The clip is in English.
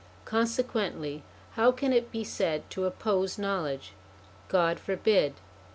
Consequently, how can it be said to oppose knowledge ? God forbid